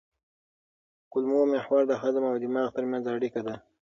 کولمو محور د هضم او دماغ ترمنځ اړیکه ده.